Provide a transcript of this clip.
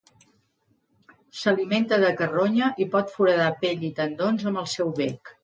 S'alimenta de carronya i pot foradar pell i tendons amb el seu bec.